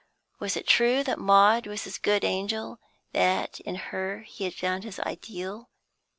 Was it true that Maud was his good angel, that in her he had found his ideal?